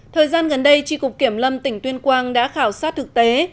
thời gian gần đây tri cục kiểm lâm tỉnh tuyên quang đã khảo sát thực tế